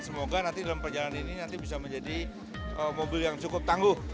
semoga nanti dalam perjalanan ini nanti bisa menjadi mobil yang cukup tangguh